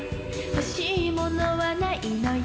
欲しいものはないのよ